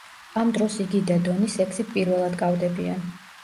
ამ დროს იგი და დონი სექსით პირველად კავდებიან.